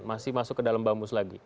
masih masuk ke dalam bamus lagi